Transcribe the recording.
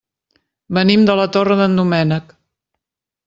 Venim de la Torre d'en Doménec.